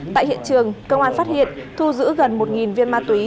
tại hiện trường công an phát hiện thu giữ gần một viên ma túy